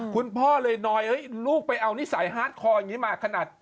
คุณพ่อเลยน้อยลูกไปเอานิสัยฮาร์ดคออย่างนี้มาขนาด